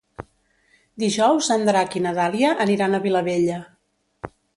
Dijous en Drac i na Dàlia aniran a Vilabella.